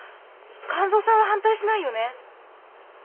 完三さんは反対しないよね？